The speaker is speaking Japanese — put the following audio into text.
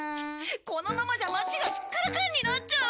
このままじゃ町がスッカラカンになっちゃう！